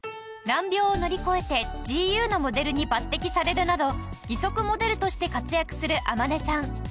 難病を乗り越えてＧＵのモデルに抜擢されるなど義足モデルとして活躍する海音さん。